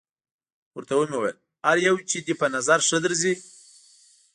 ورته ومې ویل: هر یو چې دې په نظر ښه درځي.